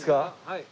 はい。